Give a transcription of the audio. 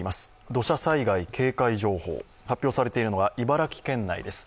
土砂災害警戒情報、発表されているのが茨城県内です